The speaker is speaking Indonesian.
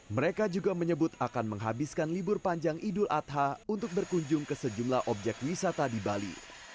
mereka juga menyebut akan menghabiskan libur panjang idul adha untuk berkunjung ke sejumlah objek wisata di bali